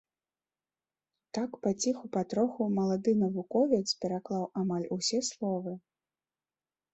Так паціху-патроху малады навуковец пераклаў амаль усе словы.